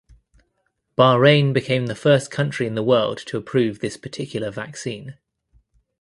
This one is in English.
Bahrain became the first country in the world to approve this particular vaccine.